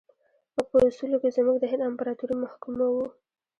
موږ په اصولو کې زموږ د هند امپراطوري محکوموو.